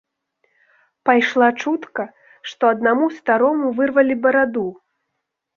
Пайшла чутка, што аднаму старому вырвалі бараду.